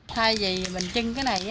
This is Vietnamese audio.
thay vì mình trưng cái này